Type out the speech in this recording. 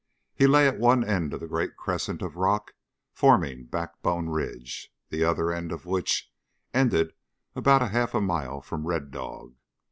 He lay at one end of the great crescent of rock forming Backbone Ridge, the other end of which ended about half a mile from Red Dog.